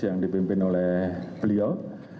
yang dipimpin oleh beliau